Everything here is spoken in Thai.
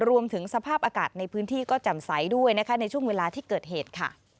รวมถึงสภาพอากาศในพื้นที่ก็จำใสด้วยในช่วงเวลาที่เกิดเหตุ